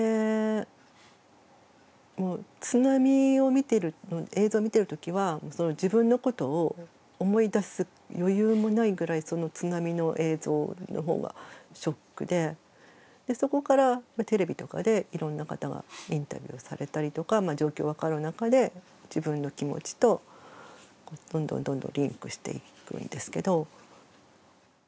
津波の映像見てるときは自分のことを思い出す余裕もないぐらいその津波の映像のほうがショックでそこからテレビとかでいろんな方がインタビューされたりとか状況分かる中で自分の気持ちとどんどんどんどんリンクしていくんですけど。